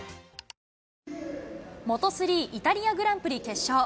モトスリー、イタリアグランプリ決勝。